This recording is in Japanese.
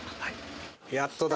やっとだ！